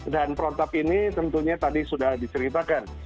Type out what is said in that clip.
dan perotap ini tentunya tadi sudah diceritakan